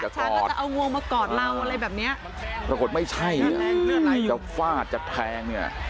ช้างก็จะเอางวงมากอดเราอะไรแบบเนี้ยปรากฏไม่ใช่จะฟาดจะแทงเนี่ย